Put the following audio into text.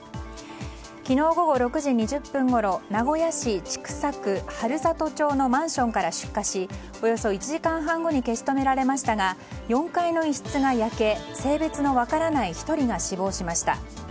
昨日午後６時２０分ごろ名古屋市千種区のマンションから出火しおよそ１時間半後に消し止められましたが４階の一室が焼け性別の分からない１人が死亡しました。